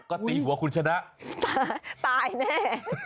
ก็ตีหัวคุณชนะตายแน่